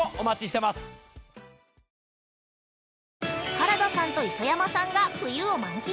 ◆原田さんと磯山さんが冬を満喫！